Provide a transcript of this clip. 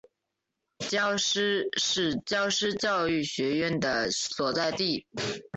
皎施是皎施教育学院的所在地。